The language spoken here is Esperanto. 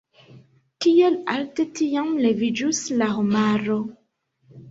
Kiel alte tiam leviĝus la homaro!